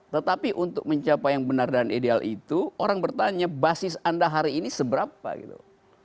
tetapi untuk mencapai yang benar dan ideal itu orang bertanya basis anda hari ini seberapa gitu